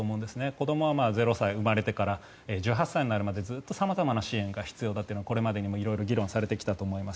子どもは０歳、生まれてから１８歳になるまでずっと様々な支援が必要だというのはこれまでにも色々議論されてきたと思います。